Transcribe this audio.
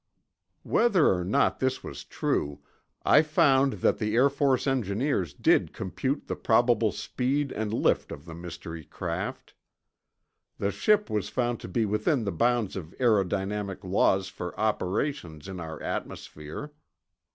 Whether or not this was true, I found that the Air Force engineers did compute the probable speed and lift of the mystery craft. The ship was found to be within the bounds of aerodynamic laws for operations in our atmosphere.